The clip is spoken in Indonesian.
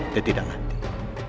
dia tidak ngantik